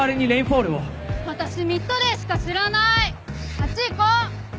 あっち行こう！